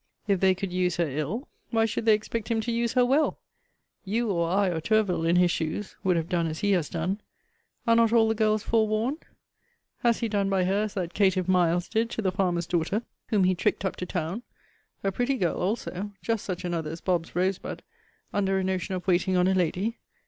If they could use her ill, why should they expect him to use her well? You, or I, or Tourville, in his shoes, would have done as he has done. Are not all the girls forewarned? 'Has he done by her as that caitiff Miles did to the farmer's daughter, whom he tricked up to town, (a pretty girl also, just such another as Bob.'s Rosebud,) under a notion of waiting on a lady?